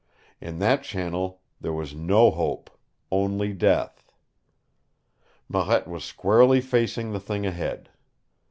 In that channel there was no hope only death. Marette was squarely facing the thing ahead.